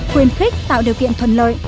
khuyến khích tạo điều kiện thuận lợi